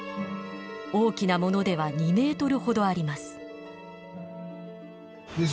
大きなものでは２ｍほどあります。